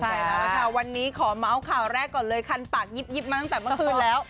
ใช่แล้วล่ะค่ะวันนี้ขอเมาส์ข่าวแรกก่อนเลยคันปากยิบมาตั้งแต่เมื่อคืนแล้ว